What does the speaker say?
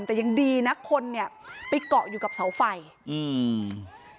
แต่ยังดีนะคนเนี้ยไปเกาะอยู่กับเสาไฟอืม